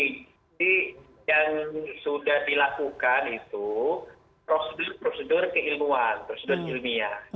jadi yang sudah dilakukan itu prosedur prosedur keilmuan prosedur ilmiah